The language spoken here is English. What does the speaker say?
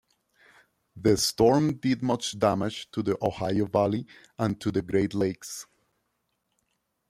The storm did much damage to the Ohio valley and to the Great Lakes.